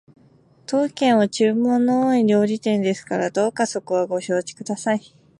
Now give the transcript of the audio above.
当軒は注文の多い料理店ですからどうかそこはご承知ください